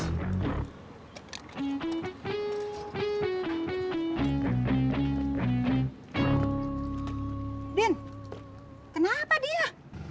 udin kenapa dia